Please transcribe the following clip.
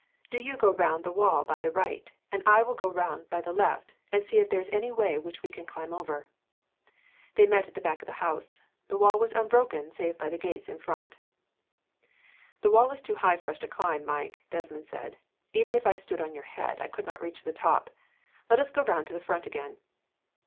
Do you go round the wall by the right, and I will go round by the left, and see if there is any way by which we can climb over." They met at the back of the house. The wall was unbroken, save by the gates in front. "The wall is too high for us to climb, Mike," Desmond said. "Even if I stood on your head, I could not reach the top. Let us go round to the front again."